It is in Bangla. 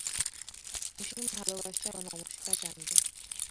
অসীম ভালবাসা ও নমস্কার জানবেন।